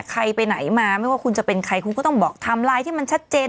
ใครไปไหนมาไม่ว่าคุณจะเป็นใครคุณก็ต้องบอกไทม์ไลน์ที่มันชัดเจน